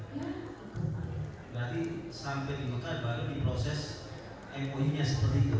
berarti sampai di mokah baru diproses mou nya seperti itu